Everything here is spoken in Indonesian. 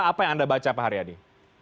apa yang anda baca pak haryadi